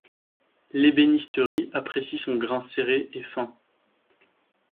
L'ébénisterie apprécie son grain serré et fin.